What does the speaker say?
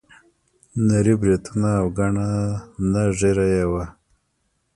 نري بریتونه او ګڼه نه ږیره یې وه.